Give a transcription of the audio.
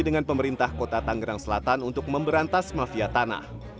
dengan pemerintah kota tanggerang selatan untuk memberantas mafia tanah